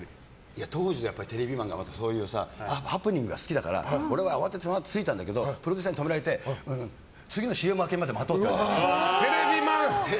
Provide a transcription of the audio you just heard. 当時のテレビマンはそういうハプニングが好きだから俺は慌ててそのあと着いたんだけどプロデューサーに止められて次のＣＭ明けまで待とうって。